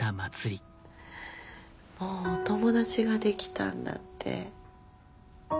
もうお友達ができたんだって。